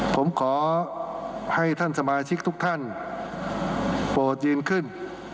ผมขอให้ท่านสมาชิกทุกท่านโปรดยืนขึ้น